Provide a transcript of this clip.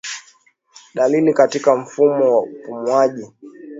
Dalili katika mfumo wa upumuaji